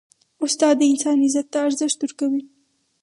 استاد د انسان عزت ته ارزښت ورکوي.